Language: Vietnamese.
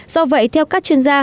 do vậy theo các chuyên gia